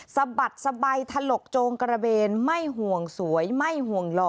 สะบัดสบายถลกโจงกระเบนไม่ห่วงสวยไม่ห่วงหล่อ